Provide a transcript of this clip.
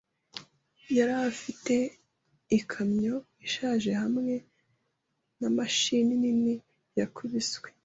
Yari afite ikamyo ishaje hamwe na mashini nini, yakubiswe.